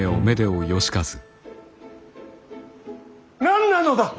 何なのだ！